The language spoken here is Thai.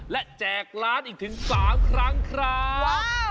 และแจกร้านอีกถึง๓ครั้งครับ